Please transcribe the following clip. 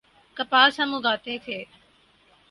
کپاس ہم اگاتے تھے۔